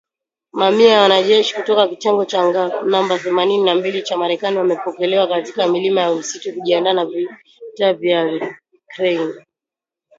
Mamia ya wanajeshi kutoka kitengo cha anga namba themanini na mbili cha Marekani wamepelekwa katika milima ya msituni kujiandaa na vita ya Ukraine